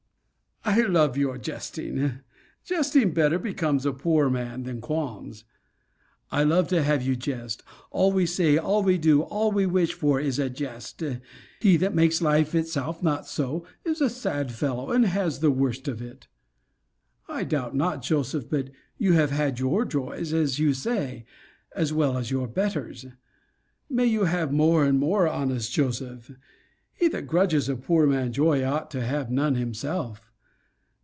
I love your jesting. Jesting better becomes a poor man than qualms. I love to have you jest. All we say, all we do, all we wish for, is a jest. He that makes life itself not so is a sad fellow, and has the worst of it. I doubt not, Joseph, but you have had your joys, as you say, as well as your betters. May you have more and more, honest Joseph! He that grudges a poor man joy, ought to have none himself.